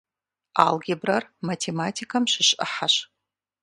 Алгебрэр математикэм щыщ ӏыхьэщ.